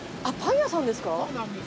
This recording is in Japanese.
そうなんです。